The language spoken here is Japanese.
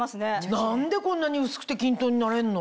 何でこんなに薄くて均等に塗れるの？